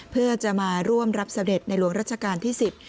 เพื่อจะมาร่วมรับเสด็จในหลวงรัชกาลที่๑๐